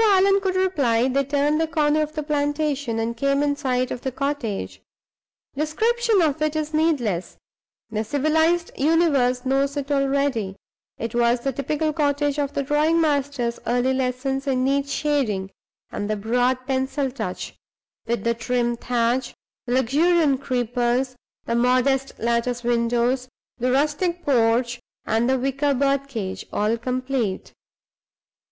Before Allan could reply, they turned the corner of the plantation, and came in sight of the cottage. Description of it is needless; the civilized universe knows it already. It was the typical cottage of the drawing master's early lessons in neat shading and the broad pencil touch with the trim thatch, the luxuriant creepers, the modest lattice windows, the rustic porch, and the wicker bird cage, all complete.